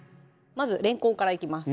まずれんこんからいきます